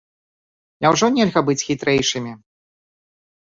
Няўжо нельга быць хітрэйшымі?